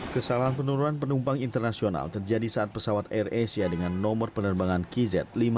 kesalahan penurunan penumpang internasional terjadi saat pesawat air asia dengan nomor penerbangan kz lima ratus